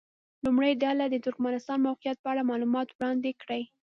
لومړۍ ډله دې د ترکمنستان موقعیت په اړه معلومات وړاندې کړي.